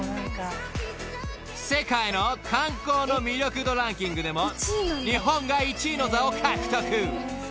［世界の「観光の魅力度ランキング」でも日本が１位の座を獲得］